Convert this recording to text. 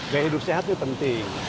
gaya hidup sehat itu penting